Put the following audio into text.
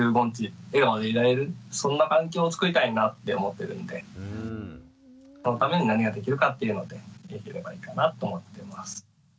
笑顔でいられるそんな環境をつくりたいなって思ってるんでそのために何ができるかっていうのでできればいいかなと思っています。